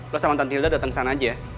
lo sama tante hilda dateng sana aja ya